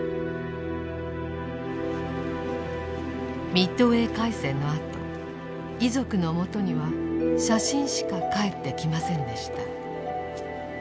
ミッドウェー海戦のあと遺族のもとには写真しか還ってきませんでした。